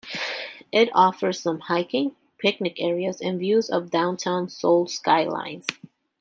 It offers some hiking, picnic areas and views of downtown Seoul's skyline.